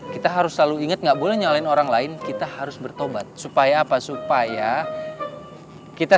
kita harus selalu ingat nggak boleh nyalain orang lain kita harus bertobat supaya apa supaya kita